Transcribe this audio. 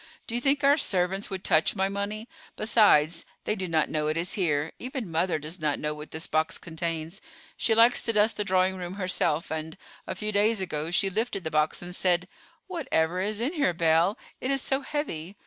"Do you think our servants would touch my money? Besides, they do not know it is here; even mother does not know what this box contains. She likes to dust the drawing room herself, and, a few days ago, she lifted the box and said: 'Whatever is in here, Belle? It is so heavy?